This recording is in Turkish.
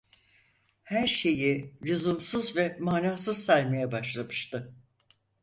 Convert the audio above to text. Her şeyi lüzumsuz ve manasız saymaya başlamıştı.